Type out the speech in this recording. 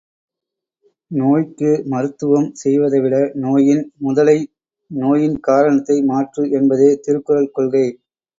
நோய்க்கு மருத்துவம் செய்வதை விட நோயின் முதலை நோயின் காரணத்தை மாற்று! என்பதே திருக்குறள் கொள்கை.